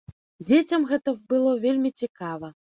Дзецям гэта было вельмі цікава.